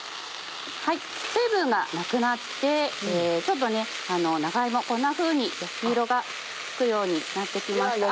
水分がなくなって長芋こんなふうに焼き色がつくようになって来ました。